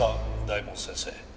大門先生」